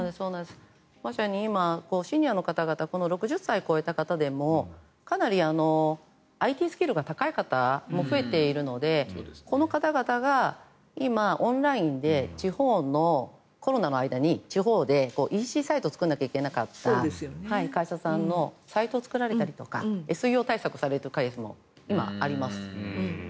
まさに今、シニアの方々６０歳を超えた方でもＩＴスキルが高い方が増えているのでこの方々が今オンラインでコロナの間に地方でＥＣサイトを作らなきゃいけなかった会社さんのサイトを作られたりとかそういう会社もあります。